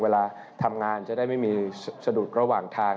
เวลาทำงานจะได้ไม่มีสะดุดระหว่างทาง